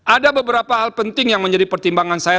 ada beberapa hal penting yang menjadi pertimbangan saya